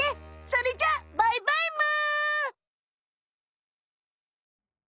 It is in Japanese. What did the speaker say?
それじゃあバイバイむ。